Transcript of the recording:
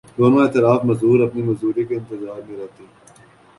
دونوں اطراف مزدور اپنی مزدوری کے انتظار میں رہتے